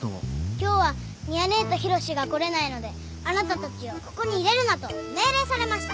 今日は美和ネェと浩志が来れないのであなたたちをここに入れるなと命令されました。